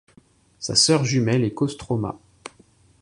Sa sœur jumelle est Kostroma.